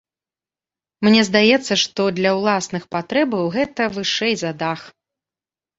Мне здаецца, што для ўласных патрэбаў гэта вышэй за дах.